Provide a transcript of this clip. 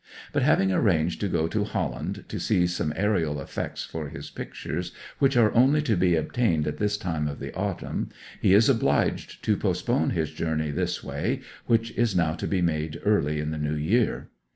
But having arranged to go to Holland to seize some aerial effects for his pictures, which are only to be obtained at this time of the autumn, he is obliged to postpone his journey this way, which is now to be made early in the new year.